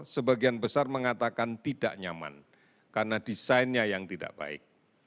sebagian besar mengatakan tidak nyaman karena desainnya yang tidak baik